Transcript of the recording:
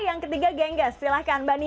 yang ketiga gengges silahkan mbak nini